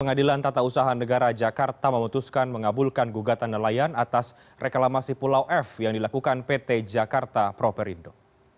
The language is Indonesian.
pengadilan tata usaha negara jakarta memutuskan mengabulkan gugatan nelayan atas reklamasi pulau f yang dilakukan pt jakarta properindo